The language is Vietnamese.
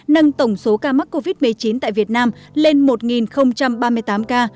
nâng tổng số ca mắc covid một mươi chín tại việt nam lên một ba mươi tám ca